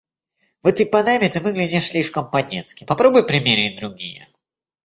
В этой панаме ты выглядишь слишком по-детски. Попробуй примерить другие.